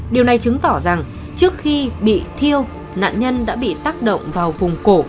điều này chứng tỏ rằng trước khi bị thiêu nạn nhân đã bị tác động vào vùng cổ